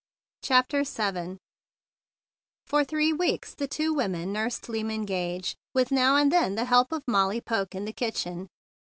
CHAPTER VII For three weeks the two women nursed Lyman Gage, with now and then the help of Molly Poke in the kitchen.